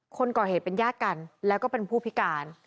คนก่อเหตุเป็นญาติกันแล้วก็เป็นผู้พิการ